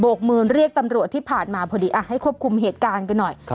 กมือเรียกตำรวจที่ผ่านมาพอดีให้ควบคุมเหตุการณ์กันหน่อย